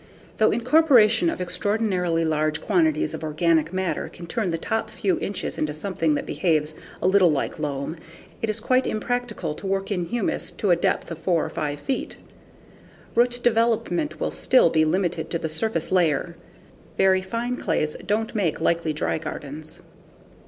Though incorporation of extraordinarily large quantities of organic matter can turn the top few inches into something that behaves a little like loam, it is quite impractical to work in humus to a depth of 4 or 5 feet. Root development will still be limited to the surface layer. Very fine clays don't make likely dry gardens.